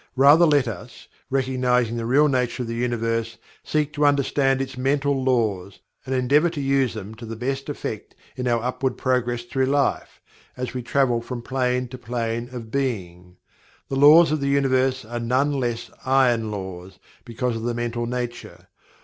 Rather let us, recognizing the real nature of the Universe, seek to understand its mental laws, and endeavor to use them to the best effect in our upward progress through life, as we travel from plane to plane of being. The Laws of the Universe are none the less "Iron Laws" because of the mental nature.